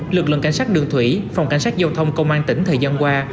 lực lượng cảnh sát đường thủy phòng cảnh sát giao thông công an tỉnh thời gian qua